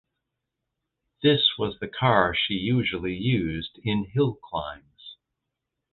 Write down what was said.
This was the car she usually used in hillclimbs.